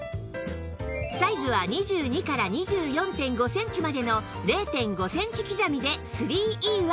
サイズは２２から ２４．５ センチまでの ０．５ センチ刻みで ３Ｅ ワイズ